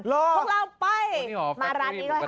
พวกเราไปมาร้านนี้ด้วยค่ะ